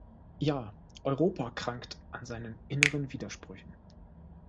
Ja, Europa krankt an seinen inneren Widersprüchen.